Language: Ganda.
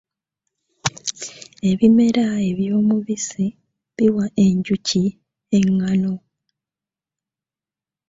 Ebimera eby'omubissi biwa enjuki engaano.